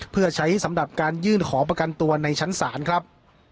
เพื่อใช้สำหรับการยื่นขอประกันตัวในชั้นศาลครับ